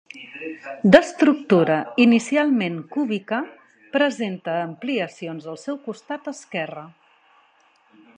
D'estructura inicialment cúbica presenta ampliacions al seu costat esquerre.